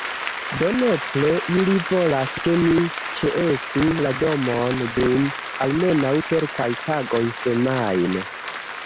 Do nepre ili volas ke mi ĉeestu la domon, dum almenaŭ kelkaj tagoj semajne